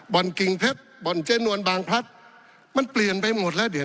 บอลกิงเผรทบอลเจโนนบางพัฒมันเปลี่ยนไปหมดแล้วเดี๋ยว